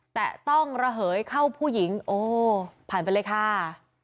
แต่ต้องระเหยเข้าผู้หญิงโอ้ผ่านไปเลยค่ะ